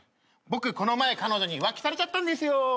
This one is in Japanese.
僕この前彼女に浮気されちゃったんですよ。